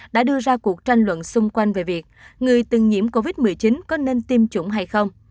đã đưa ra cuộc tranh luận xung quanh về việc người từng nhiễm covid một mươi chín có nên tiêm chủng hay không